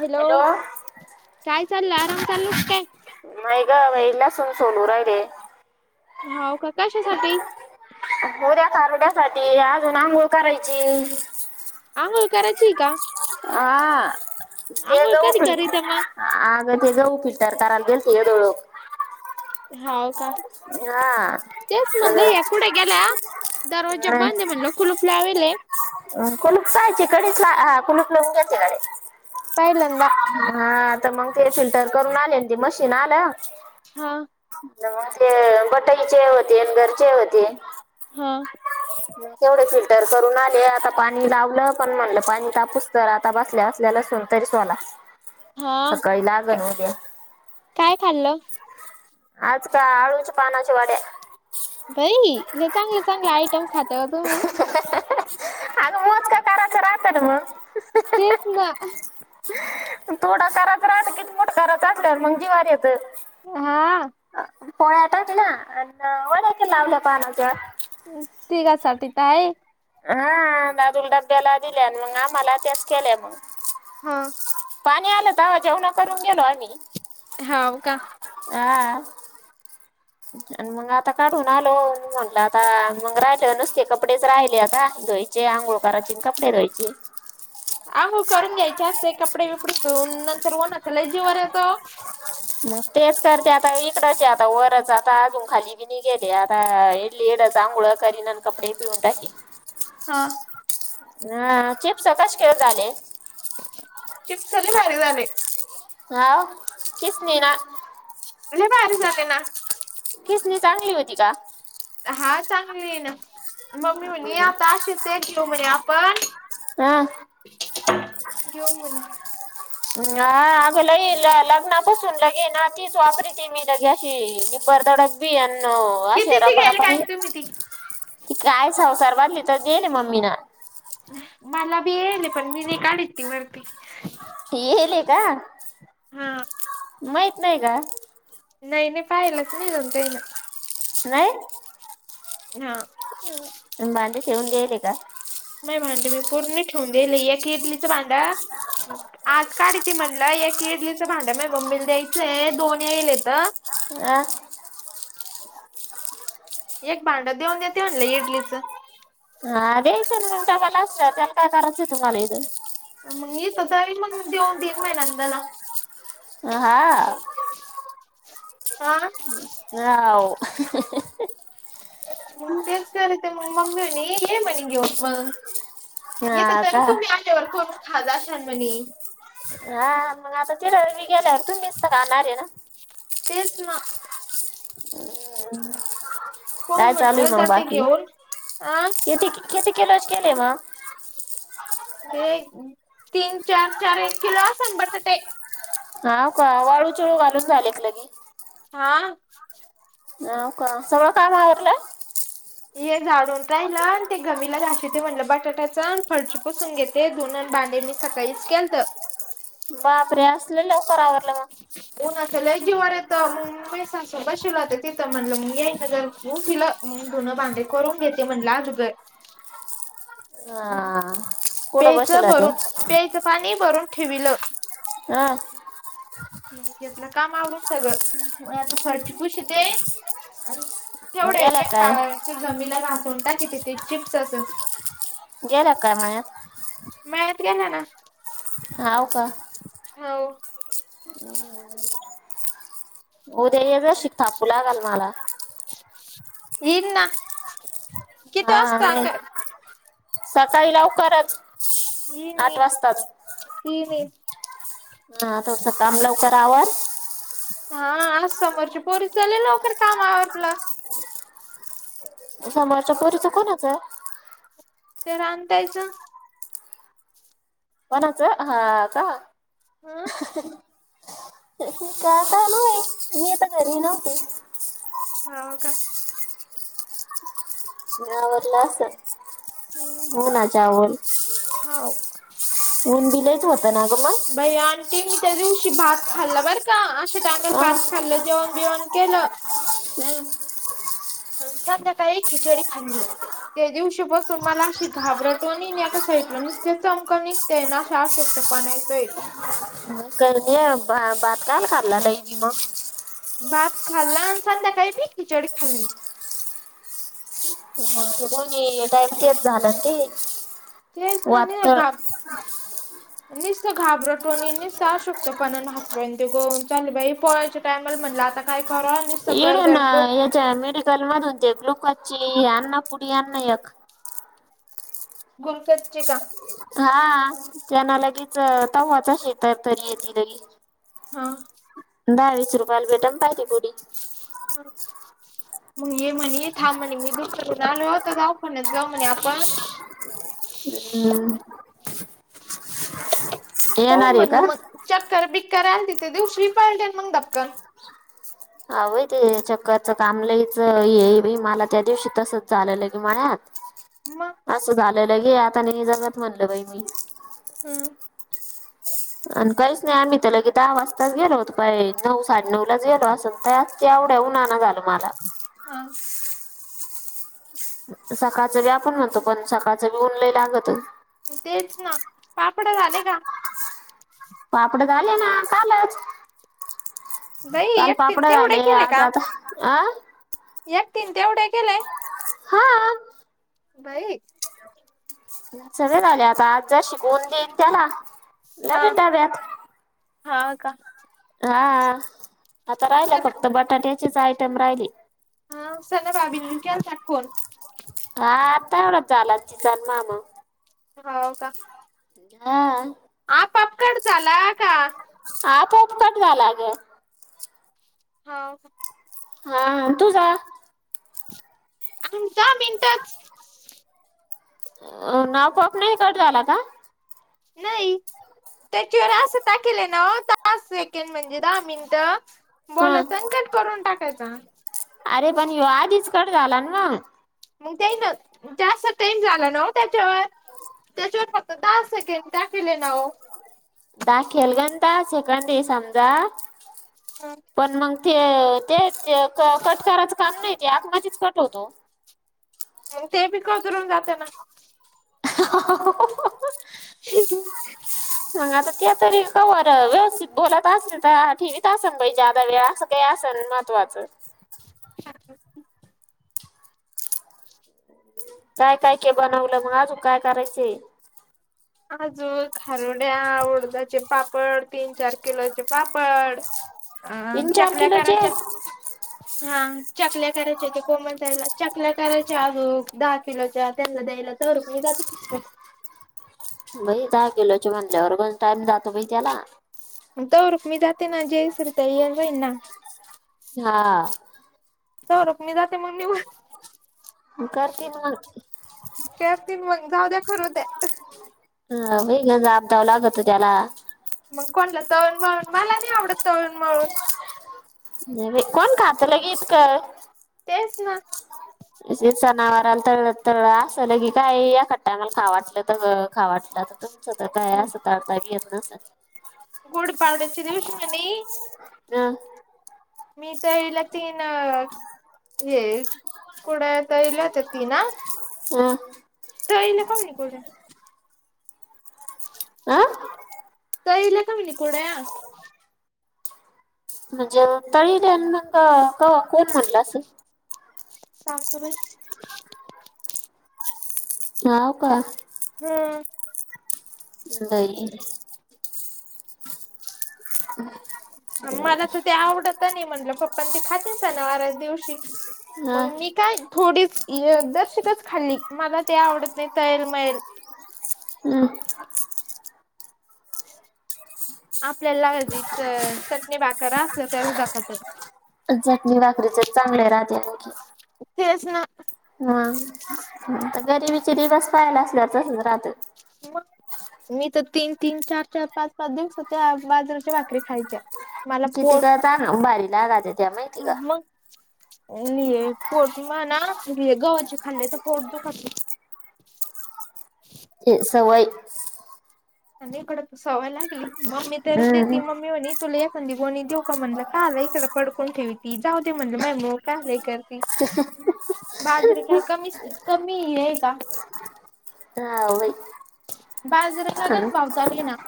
Hello काय चालल आराम चाललो की काय नाही ग वैल्यासून सोलू राहीले हौ पण कशासाठी होर्या कारङ्यासाठी अजून आंघोळ करायची आंघोळ करायचीये का आ, ते आंघोळ कधी करीत्या मग [unintelligible] आगं तेज उप्पीट तर करालते ते केलो हाव का? हा तेच म्हणलं या कुठं गेल्या दरवाजा बंद हे म्हणलं कुलुप लावीले. अ कलूप सांचे कडीच ला आ कुलूप नसते ते काय म्हणला हा तर मग ते फिल्टर करून आले अन ते मशीन आल्या हा तेव्हा ते गटईचे होते अन घरचे होते हा पोरं फिल्टर करून आले आता पाणी लावलं पण म्हणलं पाणी तापूस तर आता हित बसल्या बसल्या लसून तरी सोला हा सकाळी क लागन उद्या काय खाल्लंस आज का आळूच्या पानाच्या वड्या बई लई चांगलं चांगलं आयटम खाता ओ तुम्ही अग मोजकं कराचं राहतं ना मग म थोडं करत राहत कि मुट करत असणार मग जीवावर येतय हा पोळ्या टाकल्या अनीक वड्याच लावल्या पाणाच्या ठीक आहे स्वाती ताई हा दादूला डब्याला दिल्या मग आम्हाला त्याच केल्या मग हा पाणी आलं तवा जेवणं करून गेलो आम्ही हाव का हा आणि मग आता काढून आलो म्हटलं आता मग राहिलं नुसते कपडेच राहिले आता धुवाई चे आंघोळ करायचे आणि कपडे धुवायचे. अंघोळ करून घ्यायचे असते कपडे बिपडे धून नंतर उन्हाच लई. जीवावर येत ओ म तेच करते आता इकडंच आहे आता वरच आता अजून खाली. इथेच येथे आता ईथलेइथेच आंगुळ कारीन कपडे पिळून टाकीन हा हो चिप्स कसे काय झाले. चिस्प लय भारी झाले हो किसणीनं नाही भारी झाले ना खिसणी चांगली होती का हा चांगली आहे ना मम्मी म्हणे आता अशीच एक घेऊ म्हणे आपण हा घेऊ म्हणे ह आ आज लयी लग्नात बसून लगे ना तीच वापरीती मी लगे अशी बरदडच बी अन आशीरा कितीची घ्यायला परात आन काय तुम्ही ती ती काय संसार बनली तर गेली मम्मी न मला बी येयले पण मी नाही काढत ती वरती. येयले का हा माहित नाही का? नाही नाही पाहिलाच नाही जाऊन त्यानं. नाही? हा. मला [unintelligible] शेवंती येले का? नाही भांड मी पूर्ण ठेवून देयले एक इडलीचं भांडा. आज काढीते म्हटलं एक इडलीचं भांडं माया मम्मीला द्यायचंय दोन येयलेत. आ? एक भांडं देऊन देते म्हणलं इडलीचं. हा द्यायचं [unintelligible] तेला काय करायचं तुम्हाला इथं. मग इथं तर मग देऊन तीन महिन्यांद लाग अ हा. आं? हाव. मग तेच तर ते मग मम्मी म्हणे ये म्हणे घेऊ मग. येत हा तर का तुम्ही आल्यावर करून खाज असाल म्हणे. हा मग आता तिला गेल्यावर तुम्हीच तर खाणारे ना. तेच ना. हम्म मग हो काय चाललंय म्हटलं मग जाते बाकी? घेऊन अ येते की. किती किलोचे केले मग? ते तीन चार चार एक किलो असंल बटाटे. हा का वाळू चळू घालून झाले का लगी? हा. हाव का सगळं काम आवरलं? ये झाडून राहिलं ते घमीला घाशिते म्हणलं बटाट्याचं फरशीची पुसून घे ते धुण न भांडे मी सकाळीचं केलतं. बापरे आज लई लवकर आवरलं मग. उन्हाचं लय जीवावर येतं मग मुंबई सासू बसिल राहते तिथं म्हटलं मग यायचं जर उठिला. मग धुणं, भांडी करून घेते म्हणलं अदुगर. मग हा कुठं बसेल प्यायचं होते भरून प्यायचं पाणी भरून ठेविलं. हा. तिथलं काम आवरून सगळं आता फरशी पुसीते. अन् तेवढं गेला एका काय ते घमीला घासून टाकीते ते चिप्सचं. गेला का मळ्यात? मळयात गेला ना. हाव का? होव. उद्या हे वशीक थापू लागाल मला. इल ना. किती हा वाजता नाही कर सकाळी लवकरचचं आठ वाजताचं. इन इन. हा तुमचं काम लवकर आवर. हा आज समोरची पोरीचं लय लवकर काम आवरलं. समोरच्या पोरीचं कोणाचं? ते राण ताईच. कोणाचं, हा का? हा. चालू हाय, मी आता घरी नव्हती. हा का. मळावरला असत हम्म हो ना वल. हो. ऊन बि लइच होत ना ग मग. बाई आणंटी मी त्या दिवशी भात खाल्ला बरं का? अशा टायमर मग भात हा खाल्लं जेवण. जेवण केलं. नाही. संध्याकाळी खिचडी खाल्ली. त्या दिवशी बसून मला अशी घाबरटवनी नाहीका सईटलं नसत चमकणी- ते ना अशक्तपना येतोय. करलीय बाात काल करला नाही मी मग. भात खाल्ला आणि संध्याकाळी खिचडी खाल्ली. दोन्ही टाईम ते झालंय ते. तेच नाही नाही वातळ गम. नसत घाबरटोणी नसतं अशक्त पणान हात पाय ते गळून चाल बा पोळायच्या टाईमला म्हटलं आता काय? करा. आणि अस इडून गरगर डोक मेडिकल मधून ते ग्लुकोज ची आण ना पुडी, आण ना एक. ग्लुकोजची का? हा त्यांना लगेच तव्हाचा शेतात तरी ये ती लगेच. हा. दहावीस रुपयाला भेट पाहिे पुुडी. हा. मग ये म्हणे थां म्हणे मी दुपून आलो होत जाऊ पण जाऊ म्हणे आपण. हम्म. येणार आहे का मग चक्कर -बिक्कर आल तिथे दिवशी पडले मग धपकन. हव ते चक्काचं काम लच ये मला त्या तसच की मळयात. मग असं झालेलं गे आता नाही जगत म्हणलं बाई मी. हम. आणि काहीच नाही आम्ही त्याला की दहा वाजताच गेलो होतो. पा नऊ साडे नऊ लाच गेलो असल त्याया ते एवढ्या उन्हांन झालं मला. हा. सकाळच भी आपण म्हणतो, पण सकाळच भी उन लइ लागत. तेच ना पापड झाले का? पापड झााले ना कालच. बाई काल एकटीन पापड तेवढे झाले आज आता अ- एकतीन तेवढे केलेय. हा. बाई. सगळे झाले आता आज ज शिकवून देईन त्याला हा नवी डाब्यात- हा का. हा, आता राहिला सना फक्त बटाट्याचीच आयटम राहिले. हा सना बाबीनी केलता फोन हा आता एवढ्यात झाला तिचा अन मामा हो का? हा आपोआप कट झाला का? आपोआप कट झाला हा हा तूझा दहा मिनटात आपोआप नाही कट झाला का? नाही. त्याच्यावर असं टाकेलंय ना दहा सेकंड म्हणजे दहा मिनिटं हा बोलायचा आणि कट करून टाकायचा अरे पण ह्यो आधीच कट झाला ना मग त्या ना जास्त टेम झाला ना त्याच्यावर त्याच्यावर, फक्त दहा सेकंड टाकेले नाव दाक केलगंत शकड, समजा ह... पण मग, ते ते कट करायचं काम नाही, ते ऑटोमॅटिच कट होतो. ते बी कतरून जाते ना [unintelligible] [inaudible] [inaudible] मग आता ते तरी कवर व्यवस्थित बोलात असतील ठीवत असेल जादा वेळ अस काय, असेल महत्वाचं शत [inaudible] [inaudible] काय, काय, के बनवलं. मग अजू काय करायचं खारोड्या, उडदाचे पापड पापड तीन, चार, किलोचे पापड अ तीन चार चकल्या किलोचे कराचेत हा चकल्या करायच्या हो ते कोमल ताईला चकल्या करायच्या, आजो दहा किलोच्या त्यांना द्यायला तर मेघाच बाई, दहा किलोच्या म्हटल्यावर पण टाइम जातो बाई त्याला तवर मी जाते ना. जेसर ये जाईन ना हा... सौरभ मी जाते मग निघुन मी करते मग करतील मग जाऊ द्या करू द्या होवुना आबदाव लागत त्याला मग कोणलं, तळण मळून मला नाही आवडत. तळण मळून कोण खातलं, इत क तेच ना... जे जनावरला तळ तळ असलं की, काय या एका टायमाल खा वाटलं, तर खावाटलं तर, तु स्वता काय असं तळता भी येत नसेल गुढी पाडव्याच्या दिवशींगणे हम.... मी, तर इला तीन हे कुड तर येला होत. ती ना हम्... [unintelligible] आं? तळील्या का मनी कुरडया? [unintelligible] कवा? कोण म्हणलं असं? सासूबाई? हाव का? हम्म. दही [unintelligible] मला तर ते आवडतं नाही म्हणलं, पप्पां ते खाते सणावाऱ्याच्या दिवशी. हा मग मी काय थोडीच य दर्शिकच खाल्ली. मला ते आवडत नाही. तळेल मळेल. हम्. आपल्याला आधीच चटणी भाकर असलं, त्यावेळीच दाखवतं. चटणी भाकरीचेच चांगले राहते आणखी तेच ना. हम. तर गरीबीचे दिवस पाहायला असल्यावर तसंच राहातं. मग? मी तर तीन तीन, चार चार, पाच पाच दिवसाच्या बाजारीच्या भाकरी खायच्या मला किती पोट का ताना उ भारी लागत्या माहिती का? लिये पोडत म ना लि गव्हाचे खाल्ले तर पोट दुखते तेच सवय. आणि इकडं तर सवय लागली. मम्मी तर देती, हम्म मम्मी म्हणीन तुला एखांदी गोणी देऊ का म्हणलं कायला इकडं पडकून ठेवीती जाऊ दे म्हणलं [unintelligible] [unintelligible] बाजरी काय कमी कमी आहे का? हा वय बाजरी लगेच भाव चाले ना.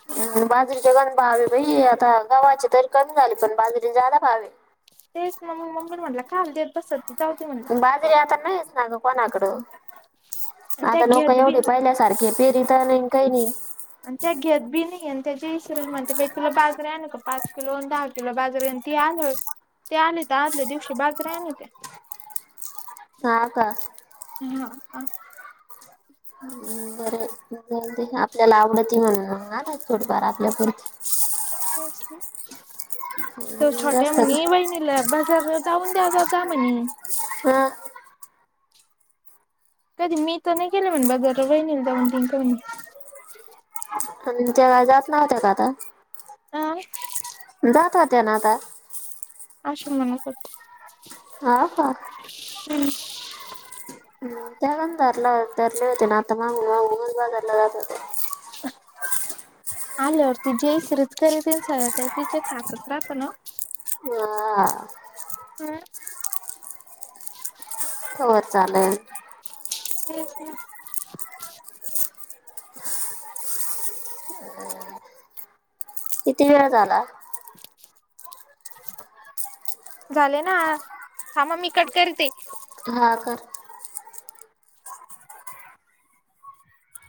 हम्म बाजरीचे गण भावे बई, आता गव्हाचे तरी कमी झाले. पण बाजरीचे जादा भावे. तेच न म मम्मीला म्हटलं कयाल देत बसत, ती जाऊ दे म्हणलं. तरी आता नाहीच ना गं कोणाकडं, आणि त्या आता लोकं घेत बी एवढी पहिल्या सा सारखे पेरीतं नाही, काही नाही. आणि त्या घेत बी नाही आणि त्याची इसरल म्हणते. तुला बाजरी आणू का पाच किलो आणि दहा किलो बाजरी ते आलं, ते आले तर आदल्या दिवशी बाजरी आणित्या. हा का? हा का? बरं जाऊदे आपल्याला आवडती म्हणून आणायची थोडीफार आपल्या पुरती. तेच ना. तो पुरती छोट्या जास्त म्हणी वहिनीला बस. जरं जाऊन द्या, जात होता म्हणी. अ. कधी मी तर नाही केलं म्हण बाजार, वहीनीला जाऊन दिल का म्हणे? अन त्या जात नव्हत्या का आता? आं? जात होत्या ना आता. अशी म्हणत होती. हा हा. हम्. हम् त्यानंतरला भरले होते ना आता मग मागून मागून बाजारला जात होते. आल्यावरती जयश्रीच कर त्यांचे कारण तिच्याच हाती राहत ना ओ. हां. हम्म. हो चालेल. तेच ना. किती वेळ झाला? [unintelligible] झाले ना थांबा मी कट करते. हा कर.